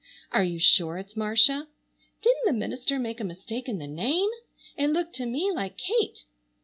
Are you sure it's Marcia? Didn't the minister make a mistake in the name? It looked to me like Kate.